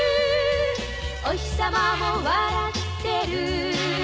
「おひさまも笑ってる」